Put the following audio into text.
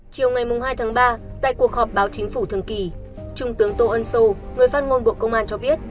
chiều ngày hai tháng ba tại cuộc họp báo chính phủ thường kỳ trung tướng tô ân sô người phát ngôn bộ công an cho biết